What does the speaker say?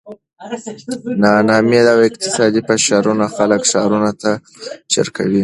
ناامني او اقتصادي فشارونه خلک ښارونو ته مهاجر کوي.